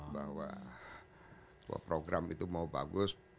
bahwa program itu mau bagus